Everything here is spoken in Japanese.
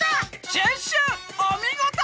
シュッシュおみごと！